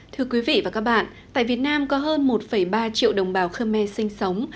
thưa quý vị và các bạn tại việt nam có hơn một ba triệu đồng bào khmer sinh sống